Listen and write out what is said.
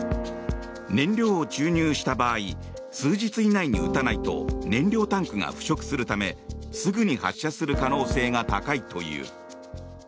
燃料を注入した場合数日以内に撃たないと燃料タンクが腐食するためすぐに発射する可能性が高いという。